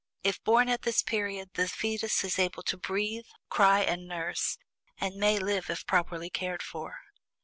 If born at this period, the fetus is able to breathe, cry and nurse, and may live if properly cared for.